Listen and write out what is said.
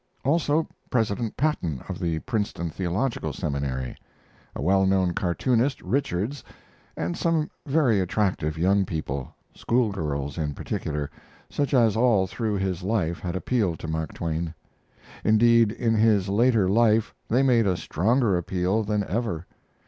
] also President Patton, of the Princeton Theological Seminary; a well known cartoonist, Richards, and some very attractive young people school girls in particular, such as all through his life had appealed to Mark Twain. Indeed, in his later life they made a stronger appeal than ever.